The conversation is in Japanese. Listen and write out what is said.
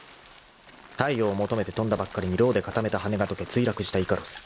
［太陽求めて飛んだばっかりにろうで固めた羽が解け墜落したイカロス］